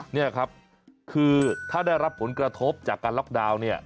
นี่ครับคือถ้าได้รับผลกระทบจากการล็อกดาวน์เนี่ย